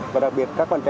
và đặc biệt các bạn trẻ